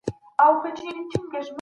د دغي کیسې لیکوال څوک دی؟